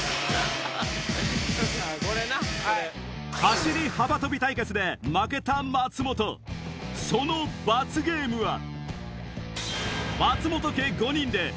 走り幅跳び対決で負けた松本その罰ゲームは？